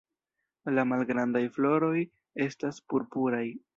La malgrandaj floroj estas purpuraj.